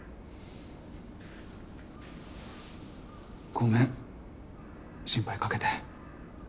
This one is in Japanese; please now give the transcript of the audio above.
ごめん心配かけて。